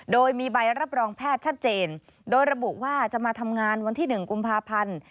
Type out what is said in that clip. โดยระบุว่าจะมาทำงานวันที่๑กุมภาพันธ์